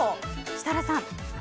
設楽さん。